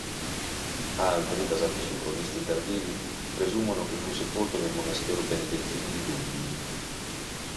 Altri, basati su cronisti tardivi, presumono che fu sepolto nel monastero benedettino di Lubin.